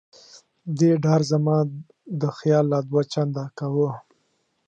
دې ډار زما دا خیال لا دوه چنده کاوه.